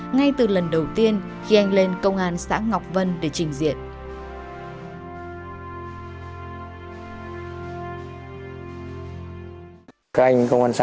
ngay từ lần đầu tiên khi anh lên công an xã ngọc vân để trình diện